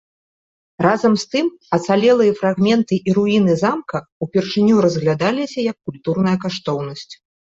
Разам з тым ацалелыя фрагменты і руіны замка ўпершыню разглядаліся як культурная каштоўнасць.